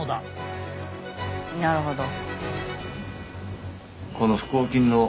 なるほど。